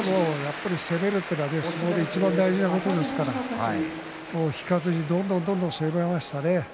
攻めるというのは相撲でいちばん大事なことですから引かずにどんどんどんどん攻めましたね。